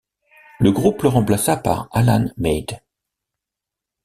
Le groupe le remplaça par Alan Meade.